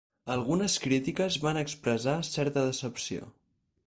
Algunes crítiques van expressar certa decepció.